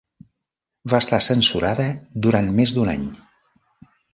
Va estar censurada durant més d'un any.